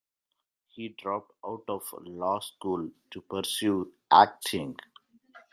He dropped out of law school to pursue acting.